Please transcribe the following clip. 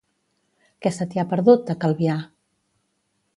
Què se t'hi ha perdut, a Calvià?